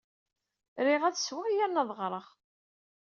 Riɣ ad ssewweɣ yernu ad ɣreɣ.